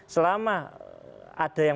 selama ada yang